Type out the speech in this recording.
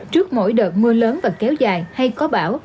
trước mỗi đợt mưa lớn và kéo dài hay có bão